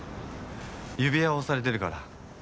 指輪をされてるから。